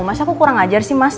mas aku kurang ajar sih mas